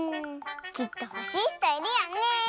きっとほしいひといるよね！ね！